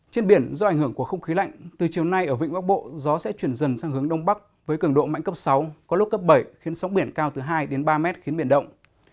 trên biển do ảnh hưởng của không khí lạnh từ chiều nay ở vịnh bắc bộ gió sẽ chuyển dần sang hướng đông bắc với cường độ mạnh cấp sáu có lúc cấp bảy khiến sóng biển cao từ hai đến ba mét khiến biển động